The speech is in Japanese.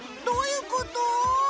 どういうこと？